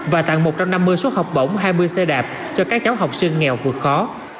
và tặng một trăm năm mươi suất học bổng hai mươi xe đạp cho các cháu học sinh nghèo vượt khó